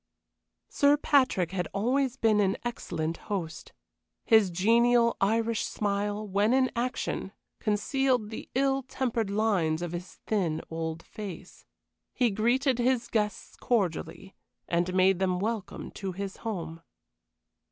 Sir Patrick had always been an excellent host. His genial Irish smile, when in action, concealed the ill tempered lines of his thin old face. He greeted his guests cordially, and made them welcome to his home.